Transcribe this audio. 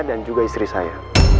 dan juga istri saya